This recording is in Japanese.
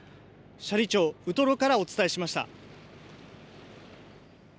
斜里町ウトロからお伝えしました。